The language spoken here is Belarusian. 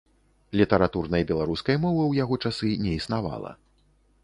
Літаратурнай беларускай мовы ў яго часы не існавала.